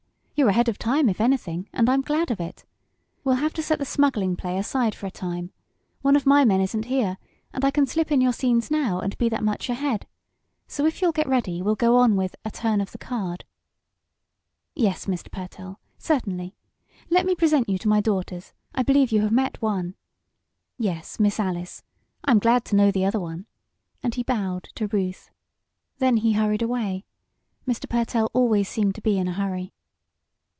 You're ahead of time if anything, and I'm glad of it. We'll have to set the smuggling play aside for a time. One of my men isn't here, and I can slip in your scenes now, and be that much ahead. So if you'll get ready we'll go on with 'A Turn of the Card.'" "Yes, Mr. Pertell certainly. Let me present you to my daughters. I believe you have met one." "Yes Miss Alice. I am glad to know the other one," and he bowed to Ruth. Then he hurried away. Mr. Pertell always seemed to be in a hurry.